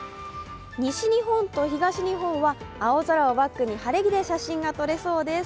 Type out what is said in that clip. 西日本と東日本は青空をバックに晴れ着で写真が撮れそうです。